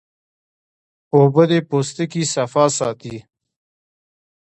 اوبه د پوستکي صفا ساتي